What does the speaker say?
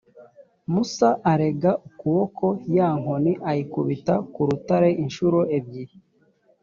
musa arega ukuboko, ya nkoni ayikubita ku rutare incuro ebyiri.